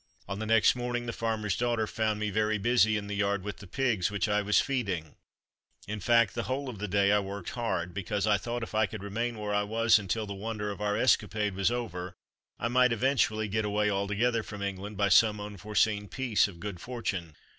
On the next morning the farmer's daughter found me very busy in the yard with the pigs, which I was feeding; in fact, the whole of that day I worked hard, because I thought if I could remain where I was until the wonder of our escapade was over, I might eventually get away altogether from England by some unforeseen piece of good fortune.